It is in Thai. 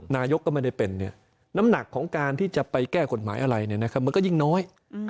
นายกก็ไม่ได้เป็นน้ำหนักของการที่จะไปแก้กฎหมายอะไรมันก็ยิ่งน้อย